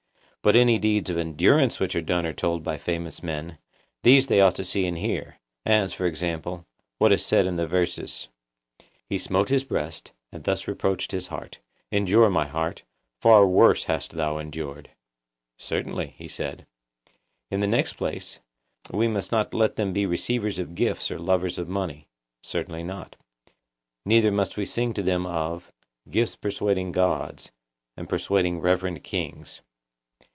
But any deeds of endurance which are done or told by famous men, these they ought to see and hear; as, for example, what is said in the verses, 'He smote his breast, and thus reproached his heart, Endure, my heart; far worse hast thou endured!' Certainly, he said. In the next place, we must not let them be receivers of gifts or lovers of money. Certainly not. Neither must we sing to them of 'Gifts persuading gods, and persuading reverend kings.